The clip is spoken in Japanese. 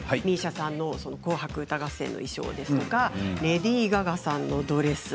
ＭＩＳＩＡさんの「紅白歌合戦」の衣装ですとかレディー・ガガさんのドレス。